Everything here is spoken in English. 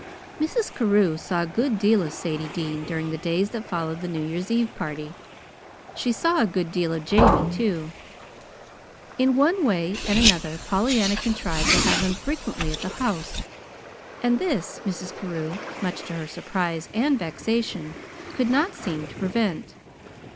Mrs. Carew saw a good deal of Sadie Dean during the days that followed the New Year's Eve party. She saw a good deal of Jamie, too. In one way and another Pollyanna contrived to have them frequently at the house; and this, Mrs. Carew, much to her surprise and vexation, could not seem to prevent.